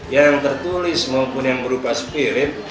yang tertulis maupun yang berupa spirit